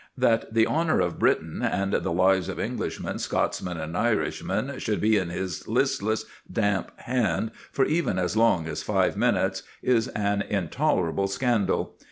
That the honour of Britain, and the lives of Englishmen, Scotsmen, and Irishmen, should be in his listless, damp hand for even as long as five minutes is an intolerable scandal.